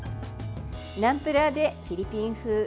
ナムプラーでフィリピン風！